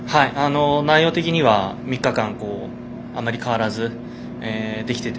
内容的には３日間あまり変わらずできていて。